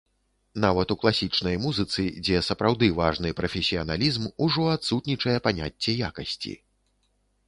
Нават у класічнай музыцы, дзе сапраўды важны прафесіяналізм, ужо адсутнічае паняцце якасці.